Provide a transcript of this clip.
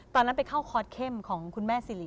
ตอนนั้นไปเข้าคอร์สเข้มของคุณแม่สิริ